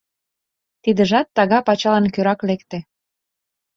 Тидыжат тага пачалан кӧрак лекте.